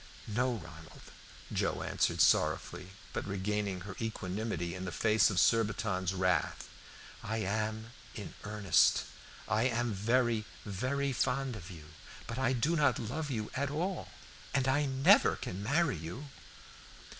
"No, Ronald," Joe answered sorrowfully, but regaining her equanimity in the face of Surbiton's wrath, "I am in earnest. I am very, very fond of you, but I do not love you at all, and I never can marry you."